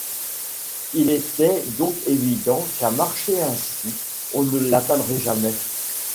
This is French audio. Il était donc évident qu’à marcher ainsi, on ne l’atteindrait jamais.